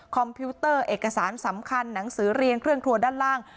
พิวเตอร์เอกสารสำคัญหนังสือเรียนเครื่องครัวด้านล่าง